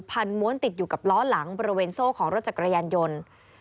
ม้วนติดอยู่กับล้อหลังบริเวณโซ่ของรถจักรยานยนต์